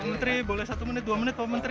menteri boleh satu menit dua menit pak menteri